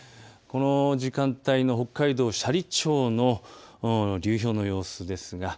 この時間帯の北海道斜里町の流氷の様子です。